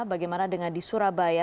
bagaimana dengan di surabaya